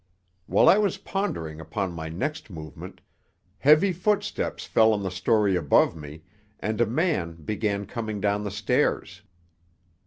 While I was pondering upon my next movement, heavy footsteps fell on the story above me, and a man began coming down the stairs.